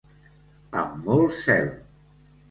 Amb molt zel.